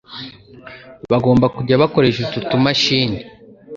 bagomba kujya bakoresha utu tumashini